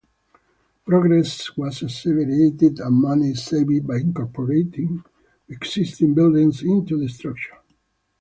Progress was accelerated, and money saved, by incorporating existing buildings into the structure.